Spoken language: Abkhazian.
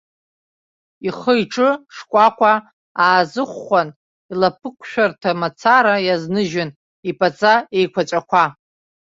Ихы-иҿы шкәакәа аазыхәхәан, илаԥықәшәарҭа мацара иазныжьын иԥаҵа еиқәаҵәақәа.